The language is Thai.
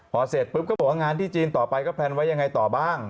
พอเสร็จปุ๊บก็บอกว่างานที่จีนต่อไปก็แพลนไว้ยังไงต่อบ้าง